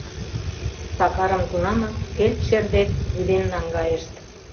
Сакарым тунамак фельдшер дек вӱден наҥгайышт.